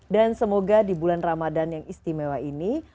dan semoga di bulan ramadan yang istimewa ini